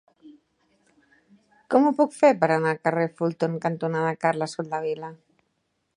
Com ho puc fer per anar al carrer Fulton cantonada Carles Soldevila?